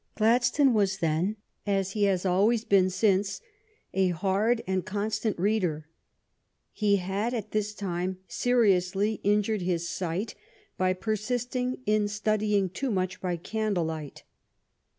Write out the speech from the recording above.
Gladstone was then, as he has always been since, a hard and constant reader. He had at this time seriously injured his sight by persisting in studying too much by candle light.